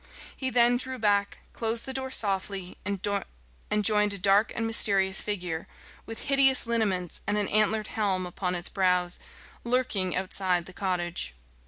He then drew back, closed the door softly, and joined a dark and mysterious figure, with hideous lineaments and an antlered helm upon its brows, lurking outside the cottage.